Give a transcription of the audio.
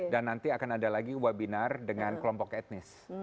dan nanti akan ada lagi webinar dengan kelompok etnis